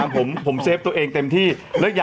หนุ่มกัญชัยโทรมา